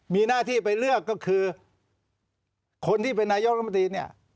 มีหน้าที่ไปเลือกก็คือคนที่เป็นนายกรัฐมนตรีเนี่ย